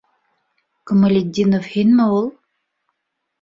Камалетдинов һинме ул?